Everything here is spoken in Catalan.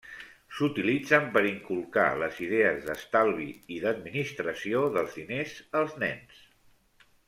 S'utilitzen per inculcar les idees d'estalvi i d'administració dels diners als nens.